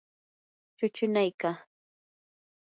chuchunaykaa.